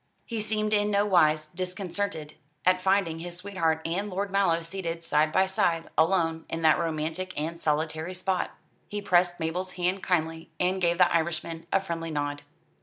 He seemed in no wise disconcerted at finding his sweetheart and Lord Mallow seated side by side, alone, in that romantic and solitary spot. He pressed Mabel's hand kindly, and gave the Irishman a friendly nod.